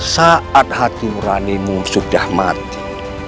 saat hati nuranimu sudah mati